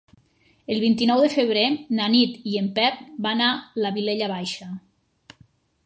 El vint-i-nou de febrer na Nit i en Pep van a la Vilella Baixa.